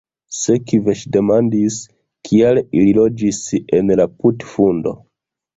Sekve ŝi demandis: "Kial ili loĝis en la putfundo?"